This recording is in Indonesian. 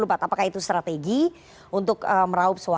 apakah itu strategi untuk meraup suara